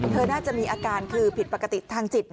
น่าจะมีอาการคือผิดปกติทางจิต